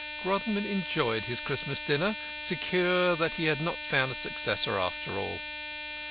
Grodman enjoyed his Christmas dinner, secure that he had not found a successor after all.